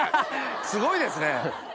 すごいですね！